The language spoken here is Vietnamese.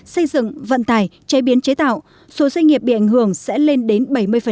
xây dựng vận tài chế biến chế tạo số doanh nghiệp bị ảnh hưởng sẽ lên đến bảy mươi